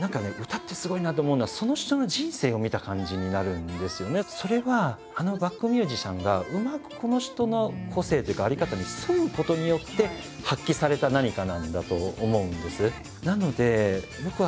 歌ってすごいなと思うのはそれはあのバックミュージシャンがうまくこの人の個性というか在り方に沿うことによって発揮された何かなんだと思うんです。